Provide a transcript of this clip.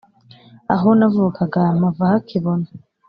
aho navukaga mpava hakibona